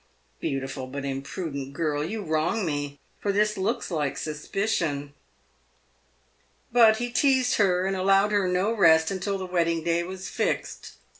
Beautiful but imprudent girl, you wrong me, for this looks like sus picion." But he teased her and allowed her no rest until the wedding day was fixed.